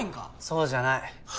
そうじゃない。